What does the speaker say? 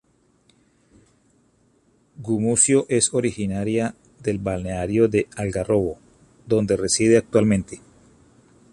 Gumucio es originaria del balneario de Algarrobo, donde reside actualmente.